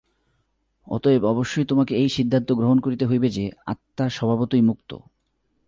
অতএব অবশ্যই তোমাকে এই সিদ্ধান্ত গ্রহণ করিতে হইবে যে, আত্মা স্বভাবতই মুক্ত।